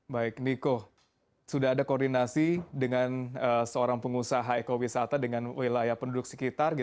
baik niko sudah ada koordinasi dengan seorang pengusaha ekowisata dengan wilayah penduduk sekitar